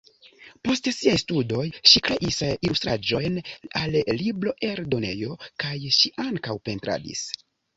Post siaj studoj ŝi kreis ilustraĵojn al libroeldonejo kaj ŝi ankaŭ pentradis.